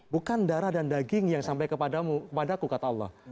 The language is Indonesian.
bukan darah dan daging yang sampai kepadamu kepada aku kata allah